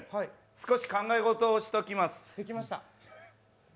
少し考え事をしておきます。